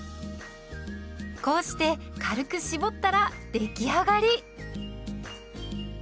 こうして軽く絞ったら出来上がり。